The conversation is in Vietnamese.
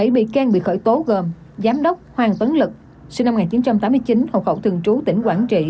bảy bị can bị khởi tố gồm giám đốc hoàng tuấn lực sinh năm một nghìn chín trăm tám mươi chín hộ khẩu thường trú tỉnh quảng trị